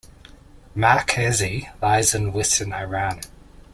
Markazi lies in western Iran.